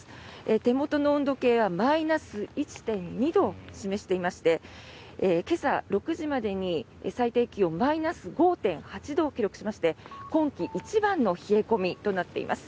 手元の温度計はマイナス１．２度を示していまして今朝６時までに最低気温マイナス５．８度を記録しまして今季一番の冷え込みとなっています。